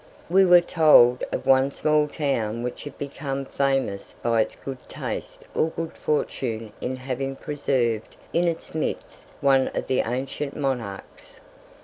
We were told of one small town which had become famous by its good taste or good fortune in having preserved in its midst one of the ancient monarchs.